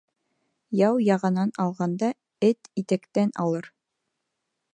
Яу яғанан алғанда, эт итәктән алыр.